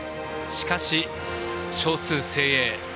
しかし、少数精鋭。